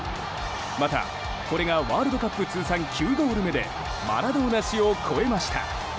また、これがワールドカップ通算９ゴール目でマラドーナ氏を超えました。